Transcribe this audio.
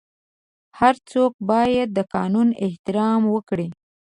هر څوک باید د قانون احترام وکړي.